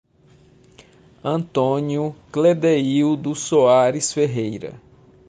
Antônio Cledeildo Soares Ferreira